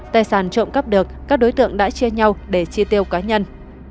tài sản trộm cắp được các đối tượng đã chia nhau để chi tiêu cá nhân